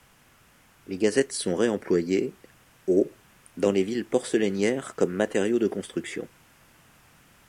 Les gazettes sont réemployées, au dans les villes porcelainières comme matériau de construction.